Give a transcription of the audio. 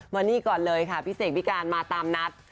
มานี่ก่อนเลยค่ะพี่เสกพี่การมาตามนัด